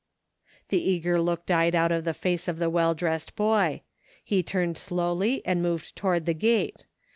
The eager look died out of the face of the well dressed boy. He turned slowly and moved toward the gate.